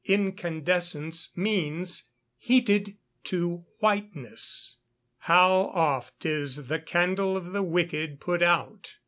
Incandesence means heated to whiteness. [Verse: "How oft is the candle of the wicked put out?